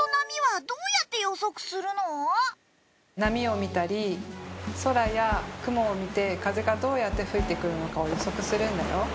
波を見たり空や雲を見て風がどうやって吹いてくるのかを予測するんだよ。